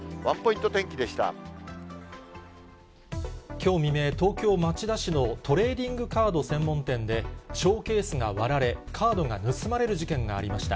きょう未明、東京・町田市のトレーディングカード専門店で、ショーケースが割られ、カードが盗まれる事件がありました。